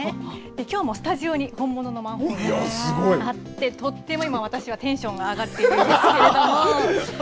きょうもスタジオに本物のマンホールがあってとっても今、私はテンションが上がっているんですけれども。